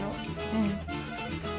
うん。